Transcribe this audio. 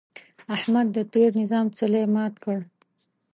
احمد د تېر نظام څلی مات کړ.